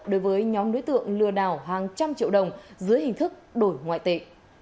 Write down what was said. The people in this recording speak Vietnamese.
đối với nhóm đối tượng lừa đảo hàng trăm triệu đồng dưới hình thức đổi ngoại tệ